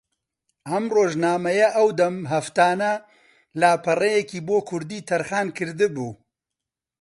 ئەم ڕۆژنامەیە ئەودەم ھەفتانە لاپەڕەیەکی بۆ کوردی تەرخان کردبوو